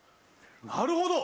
なるほど。